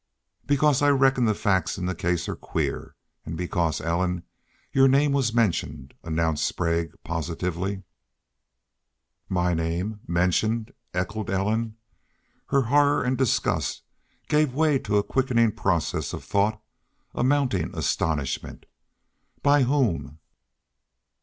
"Because I reckon the facts in the case are queer an' because, Ellen, your name was mentioned," announced Sprague, positively. "My name mentioned?" echoed Ellen. Her horror and disgust gave way to a quickening process of thought, a mounting astonishment. "By whom?"